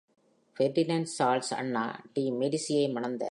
Ferdinand Charles Anna de மெடிசியை மணந்தார்.